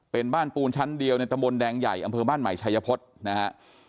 เป็นบ้านปูนชั้นเดียวในตะมนต์แดงใหญ่อำเภอบ้านใหม่ชัยพฤษนะฮะ